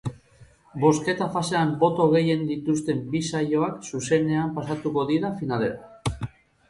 Bozketa-fasean boto gehien dituzten bi saioak zuzenean pasatuko dira finalera.